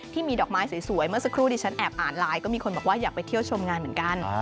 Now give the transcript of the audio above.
ที่มีดอกไม้สวยเมื่อสักครู่ที่ฉันแอบอ่านไลน์ก็มีคนบอกว่าอยากไปเที่ยวชมงานเหมือนกัน